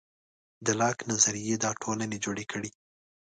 د لاک نظریې دا ټولنې جوړې کړې.